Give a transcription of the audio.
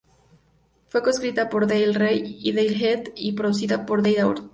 Fue co-escrita por Del Rey y Daniel Heath, y producida por Dan Auerbach.